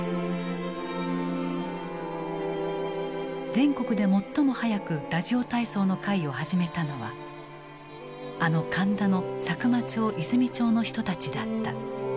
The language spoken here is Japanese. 全国で最も早くラジオ体操の会を始めたのはあの神田の佐久間町・和泉町の人たちだった。